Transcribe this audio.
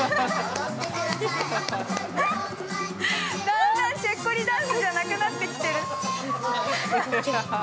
だんだんチェッコリダンスじゃなくなってきてる。